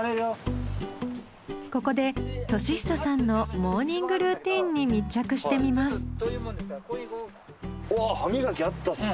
ここで敏久さんのモーニングルーティーンに密着してみます。